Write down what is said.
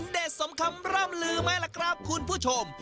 สมคำร่ำลือไหมล่ะครับคุณผู้ชม